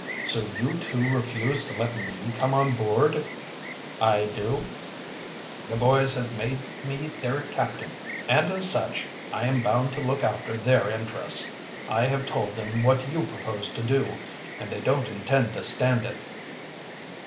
"So you too refuse to let me come on board?" "I do. The boys have made me their captain, and as such I am bound to look after their interests. I have told them what you proposed to do, and they don't intend to stand it."